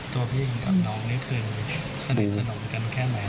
ตัวพี่กับน้องนี้คือสนิทสนุกกันแค่ไหนนะ